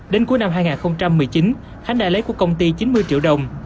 đến cuối năm hai nghìn một mươi chín khánh đã lấy của công ty chín mươi triệu đồng